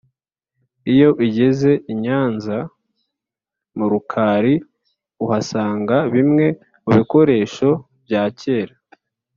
Iyo ugeze inyanza murukari uhasanga bimwe mubikoresho byakera